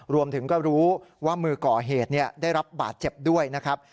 รวมถึงก็รู้ว่ามือก่อเหตุได้รับบาดเจ็บด้วยนะครับ